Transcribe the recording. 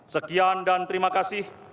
sekian dan terima kasih